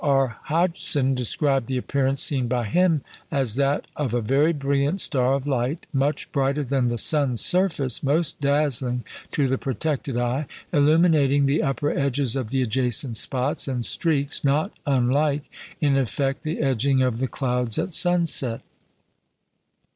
R. Hodgson described the appearance seen by him as that "of a very brilliant star of light, much brighter than the sun's surface, most dazzling to the protected eye, illuminating the upper edges of the adjacent spots and streaks, not unlike in effect the edging of the clouds at sunset."